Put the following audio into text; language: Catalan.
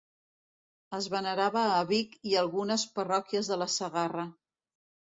Es venerava a Vic i algunes parròquies de la Segarra.